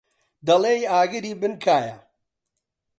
دەڵێی ئاگری بن کایە.